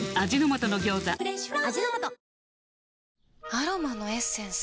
アロマのエッセンス？